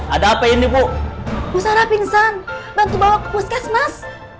ada apa ini bu pusara pingsan bantu bawa ke puskesmas